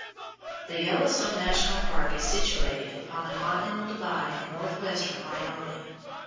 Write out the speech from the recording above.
The Yellowstone National Park is situated upon the continental divide in northwestern Wyoming.